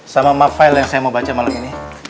sama map file yang saya mau baca malam ini